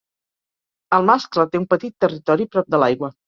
El mascle té un petit territori prop de l'aigua.